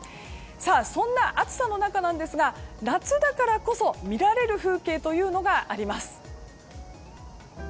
そんな暑さの中ですが夏だからこそ見られる風景があります。